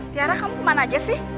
tiara kamu kemana aja sih